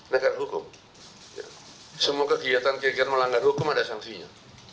negara hukum semua kegiatan kira kira melanggar hukum ada sanksinya